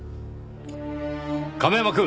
亀山くん！